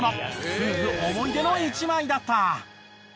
夫婦思い出の１枚だった。